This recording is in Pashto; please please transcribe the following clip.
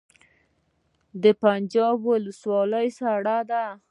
د پنجاب ولسوالۍ سړه ده